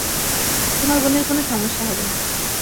তোমার বোনের কোন সমস্যা হবে না।